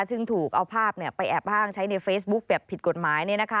ซึ่งถูกเอาภาพไปแอบอ้างใช้ในเฟซบุ๊คแบบผิดกฎหมาย